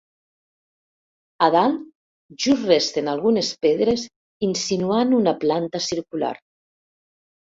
A dalt, just resten algunes pedres insinuant una planta circular.